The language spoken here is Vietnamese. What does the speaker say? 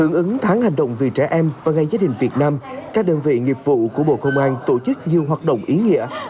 ứng ứng tháng hành động vì trẻ em và ngày gia đình việt nam các đơn vị nghiệp vụ của bộ công an tổ chức nhiều hoạt động ý nghĩa